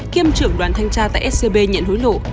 kiêm trưởng đoàn thanh tra tại scb nhận hối lộ